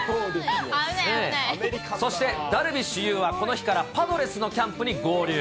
そしてダルビッシュ有はこの日からパドレスのキャンプに合流。